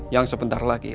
yang sebentar lagi